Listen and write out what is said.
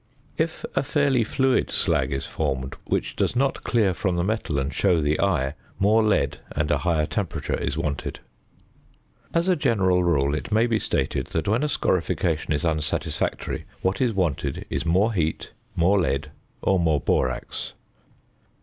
If a fairly fluid slag is formed which does not clear from the metal and show the eye, more lead and a higher temperature is wanted. As a general rule, it may be stated that when a scorification is unsatisfactory, what is wanted is more heat, more lead, or more borax.